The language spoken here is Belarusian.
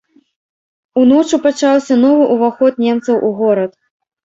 Уночы пачаўся новы ўваход немцаў у горад.